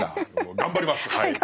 頑張りますはい。